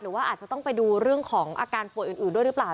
ว่าอาจจะต้องไปดูเรื่องของอาการป่วยอื่นด้วยหรือเปล่า